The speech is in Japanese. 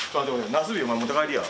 なすびお前持って帰りや。